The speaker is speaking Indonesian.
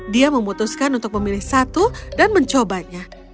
dia memutuskan untuk memilih satu dan mencobanya